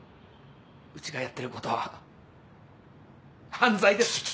うちがやってることは犯罪です。